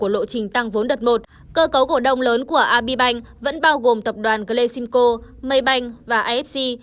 lộ trình tăng vốn đợt một cơ cấu cổ đông lớn của ab bank vẫn bao gồm tập đoàn glesinko maybank và afc